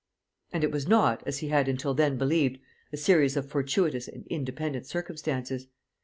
And it was not, as he had until then believed, a series of fortuitous and independent circumstances.